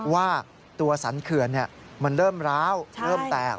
ว่าตัวสันเขื่อนมันเริ่มร้าวเริ่มแตก